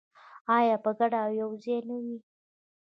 آیا په ګډه او یوځای نه وي؟